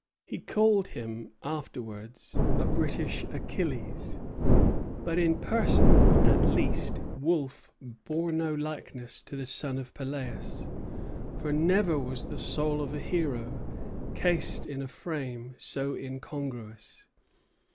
He called him afterwards a British Achilles; but in person at least Wolfe bore no likeness to the son of Peleus, for never was the soul of a hero cased in a frame so incongruous.